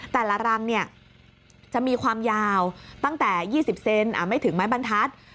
รังจะมีความยาวตั้งแต่๒๐เซนไม่ถึงไม้บรรทัศน์